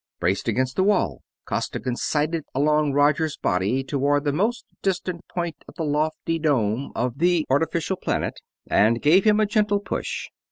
Braced against the wall, Costigan sighted along Roger's body toward the most distant point of the lofty dome of the artificial planet and gave him a gentle push.